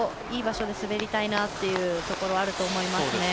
いい場所で滑りたいなっていうところあると思います。